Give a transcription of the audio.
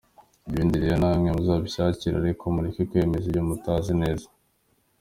Ibindi rero namwe muzabyishakire; ariko mureke kwemeza ibyo mutazi neza.